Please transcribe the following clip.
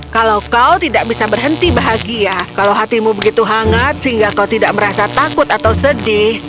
kalau kau tidak bisa berhenti bahagia kalau hatimu begitu hangat sehingga kau tidak merasa takut atau sedih